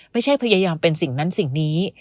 พยายามเป็นสิ่งนั้นสิ่งนี้